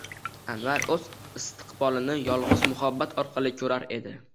Anvar o’z istiqbolini yolg’iz muhabbat orqali ko’rar edi.